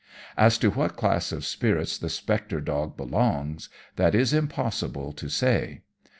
As to what class of spirits the spectre dog belongs, that is impossible to say.